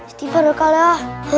istighfar kal ya